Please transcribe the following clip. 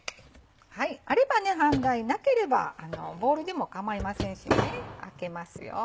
あれば飯台なければボウルでも構いませんあけます。